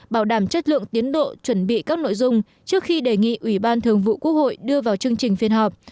bảo đảm chất lượng tiến độ chuẩn bị các nội dung trước khi đề nghị ủy ban thường vụ quốc hội đưa vào chương trình phiên họp